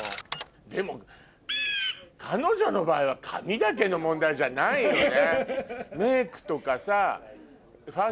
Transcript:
でも彼女の場合は髪だけの問題じゃないよね。